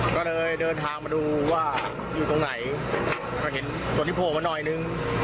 ก็เลยเดินทางมาดูว่าอยู่ตรงไหนก็เห็นส่วนที่โผล่มาหน่อยนึง